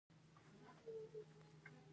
پال کوه چې زر ښه شې